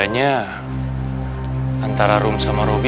kayaknya antara rom sama robby